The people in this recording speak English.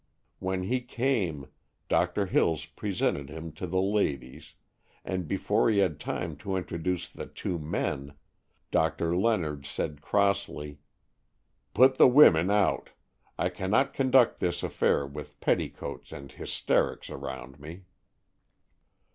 When he came, Doctor Hills presented him to the ladies, and before he had time to introduce the two men, Doctor Leonard said crossly, "Put the women out. I cannot conduct this affair with petticoats and hysterics around me."